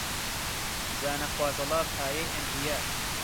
جا نەخوازەڵا پایەی ئەنبیا